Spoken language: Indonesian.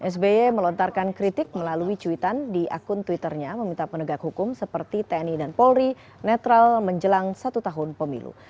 sby melontarkan kritik melalui cuitan di akun twitternya meminta penegak hukum seperti tni dan polri netral menjelang satu tahun pemilu